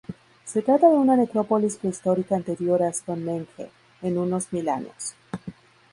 Se trata de una necrópolis prehistórica anterior a Stonehenge en unos mil años.